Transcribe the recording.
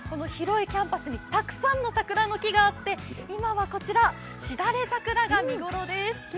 広いキャンパスにたくさんの桜の木があって今はこちら、しだれ桜が見頃です。